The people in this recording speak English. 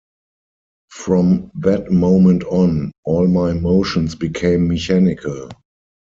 From that moment on, all my motions became mechanical.